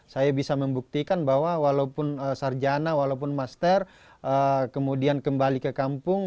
saya bisa membuktikan bahwa walaupun sarjana walaupun master kemudian kembali ke kampung